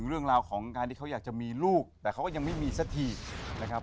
เรื่องราวของการที่เขาอยากจะมีลูกแต่เขาก็ยังไม่มีสักทีนะครับ